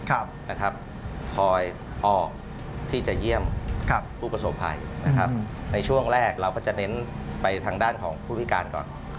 คอยออกที่จะเยี่ยมผู้ประสบภัยนะครับในช่วงแรกเราก็จะเน้นไปทางด้านของผู้พิการก่อน